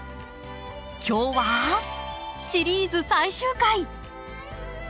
今日はシリーズ最終回。